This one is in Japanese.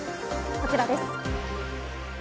こちらです。